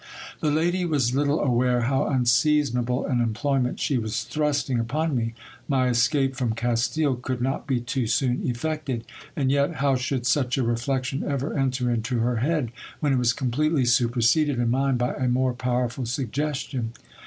The lady was little aware how unseasonable an employment she was thrusting upon me. My escape from Castile could not be too soon effected ; and yet ho v should such a reflection ever enter into her head, when it was completely supers :ded in mine by a more powerful suggestion?